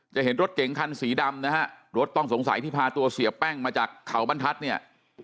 เห็นรถเก๋งคันสีดำนะฮะรถต้องสงสัยที่พาตัวเสียแป้งมาจากเขาบรรทัศน์เนี่ย